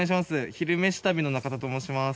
「昼めし旅」の中田と申します。